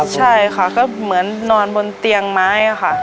ใช่ค่ะก็เหมือนนอนบนเตียงไม้ค่ะ